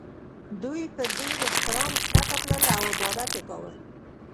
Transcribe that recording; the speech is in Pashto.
دوی په ډېر احترام ښکته تلل او عبادت یې کاوه.